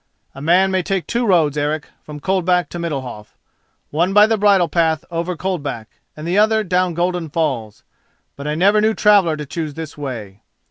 "A man may take two roads, Eric, from Coldback to Middalhof, one by the bridle path over Coldback and the other down Golden Falls; but I never knew traveller to choose this way.